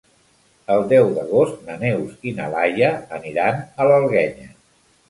El deu d'agost na Neus i na Laia aniran a l'Alguenya.